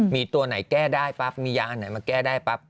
มีตัวไหนแก้ได้ปั๊บมียาอันไหนมาแก้ได้ปั๊บ